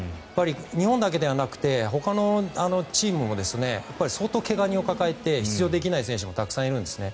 日本だけではなくてほかのチームも相当、怪我人を抱えて出場できない選手もたくさんいるんですね。